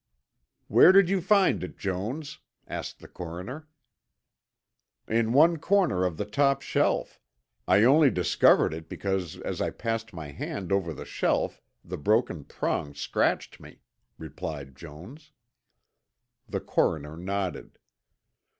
"Where did you find it, Jones?" asked the coroner. "In one corner of the top shelf. I only discovered it because as I passed my hand over the shelf the broken prong scratched me," replied Jones. The coroner nodded.